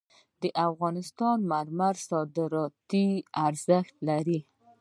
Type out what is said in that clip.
د افغانستان مرمر صادراتي ارزښت لري